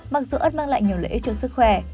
mặc dù ếch mang lại nhiều lợi ích cho sức khỏe